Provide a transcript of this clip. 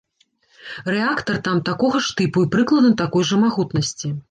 Рэактар там таго ж тыпу і прыкладна такой жа магутнасці.